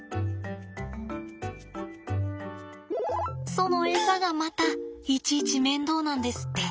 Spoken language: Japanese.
そのエサがまたいちいち面倒なんですって。